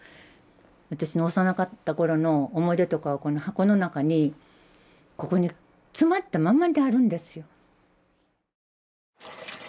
私の幼かったころの思い出とかがこの箱の中にここに詰まったまんまであるんですよ。